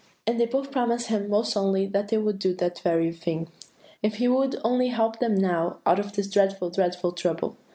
"And they both promised him most solemnly that they would do that very thing, if he would only help them now out of this dreadful, dreadful trouble.